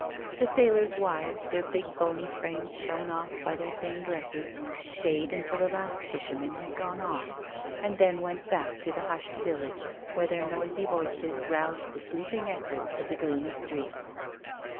The sailors' wives, their big, bony frames shown off by their thin dresses, stayed until the last fisher man had gone off, and then went back to the hushed village, where their noisy voices roused the sleeping echoes of the gloomy streets.